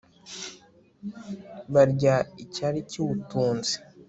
barya icyari kiwutunze